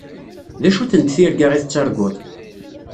D acu-tent tirga i tettarguḍ?